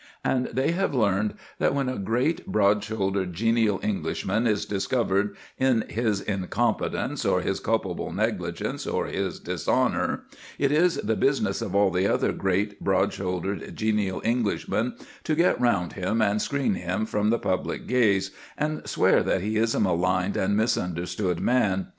And they have learned that when a great, broad shouldered, genial Englishman is discovered in his incompetence or his culpable negligence or his dishonour, it is the business of all the other great, broad shouldered, genial Englishmen to get round him and screen him from the public gaze and swear that he is a maligned and misunderstood man.